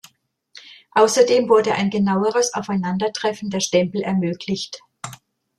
Außerdem wurde ein genaueres Aufeinandertreffen der Stempel ermöglicht.